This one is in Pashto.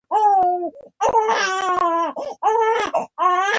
• د اور لوګي د اړیکو وسیله وه.